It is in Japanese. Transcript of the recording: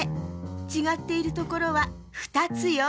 ちがっているところは２つよ。